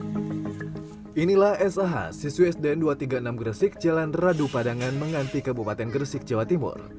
hai inilah saha siswesden dua ratus tiga puluh enam gresik jalan radu padangan mengganti kebupaten gresik jawa timur